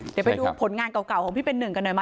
เดี๋ยวไปดูผลงานเก่าของพี่เป็นหนึ่งกันหน่อยไหม